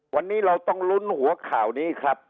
วันนี้เราต้องลุ้นหัวข่าวนี้ครับ